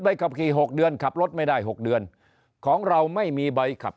ขับขี่หกเดือนขับรถไม่ได้๖เดือนของเราไม่มีใบขับ